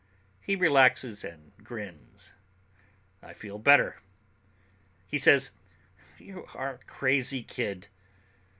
He relaxes and grins. I feel better. He says, "You're a crazy kid.